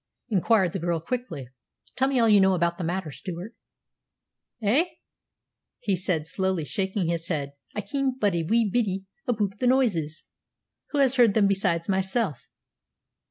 inquired the girl quickly. "Tell me all you know about the matter, Stewart." "A'?" he said, slowly shaking his head. "I ken but a wee bittie aboot the noises." "Who has heard them besides myself?"